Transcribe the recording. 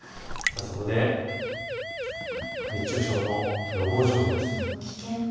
そこで熱中症の予防情報です。